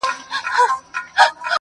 د ازل تقسيم باغوان يم پيدا کړی-